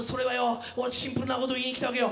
シンプルなことをいいに来たわけよ。